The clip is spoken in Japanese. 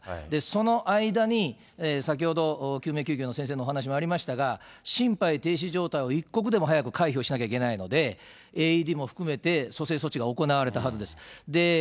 その間に、先ほど救命救急の先生のお話もありましたが、心肺停止状態を一刻でも早く回避をしなきゃいけないので、ＡＥＤも含めて蘇生措置が行われたはずです。